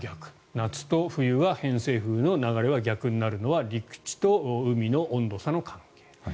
夏と冬は偏西風の流れは逆になるのは陸地と海の温度差の関係。